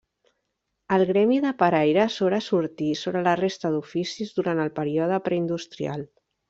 El gremi de paraires sobresortí sobre la resta d'oficis durant el període preindustrial.